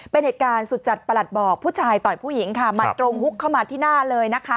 เป็นเหตุการณ์สุดจัดประหลัดบอกผู้ชายต่อยผู้หญิงค่ะหมัดตรงฮุกเข้ามาที่หน้าเลยนะคะ